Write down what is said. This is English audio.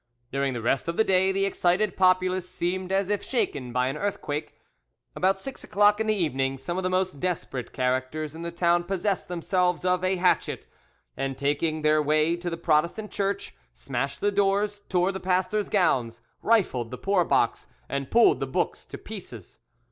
During the rest of the day the excited populace seemed as if shaken by an earthquake. About six o'clock in the evening, some of the most desperate characters in the town possessed themselves of a hatchet, and, taking their way to the Protestant church, smashed the doors, tore the pastors' gowns, rifled the poor box, and pulled the books to pieces.